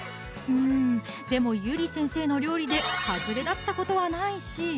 うんでもゆり先生の料理でハズレだったことはないし